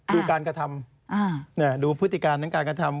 ดูการกระทำดูพฤติการทั้งการกระทำ